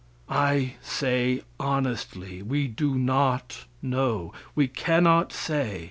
I say honestly we do not know; we cannot say.